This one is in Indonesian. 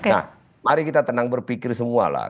nah mari kita tenang berpikir semua lah